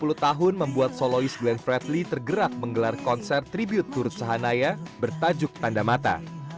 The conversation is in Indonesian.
selama tiga puluh tahun membuat soloist glenn fredly tergerak menggelar konser tribut ke ruth sahanaya bertajuk tanda mata